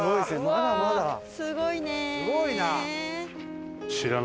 すごいな！